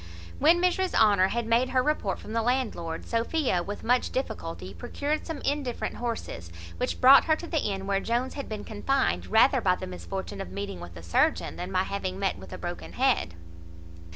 When Mrs Honour had made her report from the landlord, Sophia, with much difficulty, procured some indifferent horses, which brought her to the inn where Jones had been confined rather by the misfortune of meeting with a surgeon than by having met with a broken head.